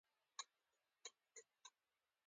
یو لوی کړنګ کیندل شوی.